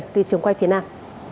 từ trường quay việt nam